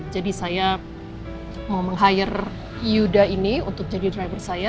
saya mau meng hire yuda ini untuk jadi driver saya